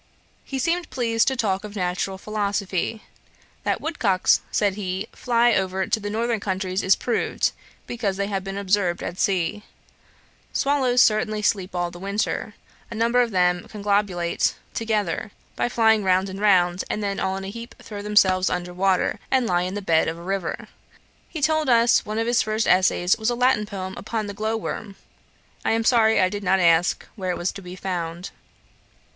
He seemed pleased to talk of natural philosophy. 'That woodcocks, (said he,) fly over to the northern countries is proved, because they have been observed at sea. Swallows certainly sleep all the winter. A number of them conglobulate together, by flying round and round, and then all in a heap throw themselves under water, and lye in the bed of a river.' He told us, one of his first essays was a Latin poem upon the glow worm. I am sorry I did not ask where it was to be found.